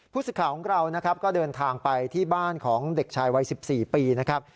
สิทธิ์ของเรานะครับก็เดินทางไปที่บ้านของเด็กชายวัย๑๔ปีนะครับ